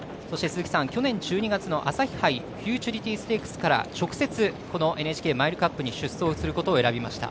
そして鈴木さん、去年１２月の朝日フューチュリティステークスから直接ＮＨＫマイルカップに出走することになりました。